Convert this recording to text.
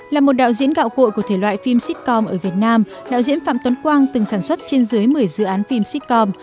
là một đạo diễn gạo cội của thể loại phim sitcom ở việt nam đạo diễn phạm tuấn quang từng sản xuất trên dưới một mươi dự án phim sitcom